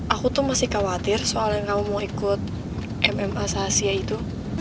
aku tuh masih khawatir soal yang kamu mau ikut mma sahasia itu